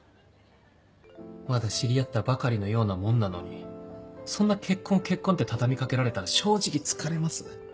まだ知り合ったばかりのようなもんなのにそんな結婚結婚って畳みかけられたら正直疲れます。